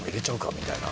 みたいな。